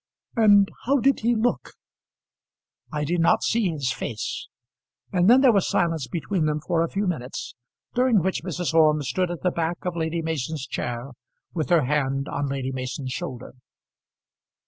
"And how did he look?" "I did not see his face." And then there was silence between them for a few minutes, during which Mrs. Orme stood at the back of Lady Mason's chair with her hand on Lady Mason's shoulder.